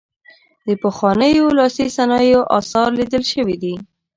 د پخوانیو لاسي صنایعو اثار لیدل شوي دي.